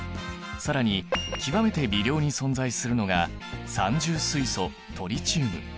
更に極めて微量に存在するのが三重水素トリチウム。